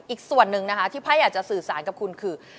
อีกส่วนหนึ่งนะคะที่ไพ่อยากจะสื่อสารกับคุณคือ